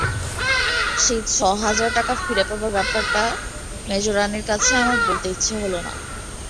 সেই ছ হাজার টাকা ফিরে পাবার ব্যাপারটা মেজোরানীর কাছে আমার বলতে ইচ্ছে হল না।